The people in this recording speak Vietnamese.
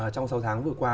trong sáu tháng vừa qua